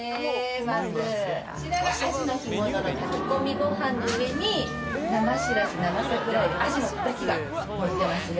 まずこちらがアジの干物の炊き込みご飯の上に生しらす生桜海老アジのたたきがのってますね